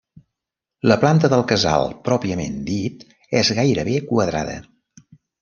La planta del casal pròpiament dit és gairebé quadrada.